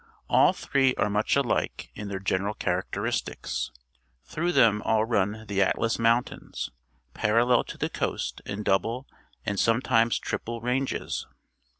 All three are much alike in their general characteristics. Through them all run the Atlas Mountains, parallel to the coast in double and sometimes triple ranges.